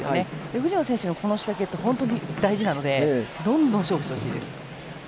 藤野選手のこの仕掛けは大事なのでどんどん勝負してほしいです。